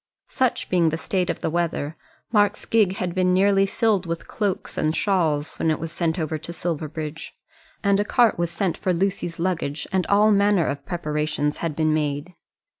Such being the state of the weather Mark's gig had been nearly filled with cloaks and shawls when it was sent over to Silverbridge. And a cart was sent for Lucy's luggage, and all manner of preparations had been made.